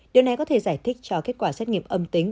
điều này có thể giải thích cho kết quả xét nghiệm âm tính